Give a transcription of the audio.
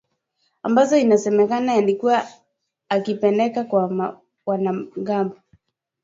ambazo inasemekana alikuwa akizipeleka kwa wanamgambo